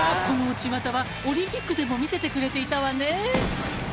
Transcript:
この内股はオリンピックでも見せてくれていたわね